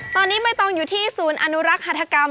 ตอนนี้ไม่ต้องอยู่ที่ศูนย์อนุรักษ์หัฐกรรม